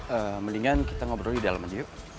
eee mendingan kita ngobrol di dalem aja yuk